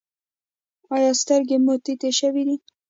ایا سترګې مو تتې شوې دي؟